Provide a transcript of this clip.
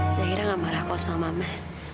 zaira gak marah kok sama mama